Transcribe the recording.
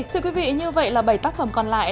thưa quý vị như vậy là bảy tác phẩm còn lại